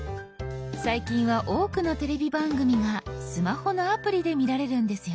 最近は多くのテレビ番組がスマホのアプリで見られるんですよ。